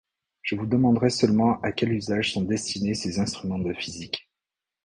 Je vous demanderai seulement à quel usage sont destinés ces instruments de physique…